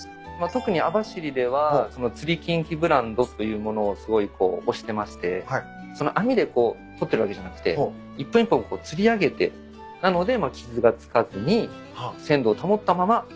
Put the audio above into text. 特に網走では釣きんきブランドというものをすごいこう推してまして網で捕ってるわけじゃなくて一本一本釣り上げてなので傷が付かずに鮮度を保ったまま持ってこれるという。